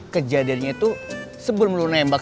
kejadiannya itu sebelum lu nembak